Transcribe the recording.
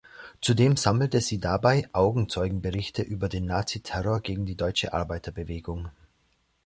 Zudem sammelte sie dabei Augenzeugenberichte über den Nazi-Terror gegen die deutsche Arbeiterbewegung.